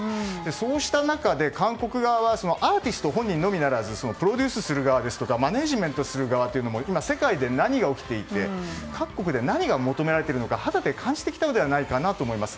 そうした中で、韓国側はアーティスト本人のみならずプロデュースする側ですとかマネジメントする側も今、世界で何が起きていて各国で何が求められているのか肌で感じてきたのではないかなと思います。